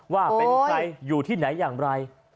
ว่าเป็นใครอยู่ที่ไหนอย่างไร